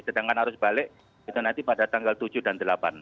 sedangkan arus balik itu nanti pada tanggal tujuh dan delapan